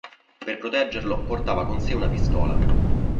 Per proteggerlo, portava con sé una pistola.